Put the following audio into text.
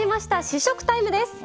試食タイムです。